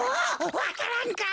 わか蘭か？